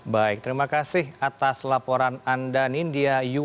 baik terima kasih atas laporan anda nindya